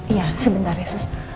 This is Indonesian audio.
iya sebentar ya su